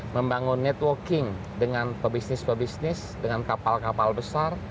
membangun networking dengan pebisnis pebisnis dengan kapal kapal besar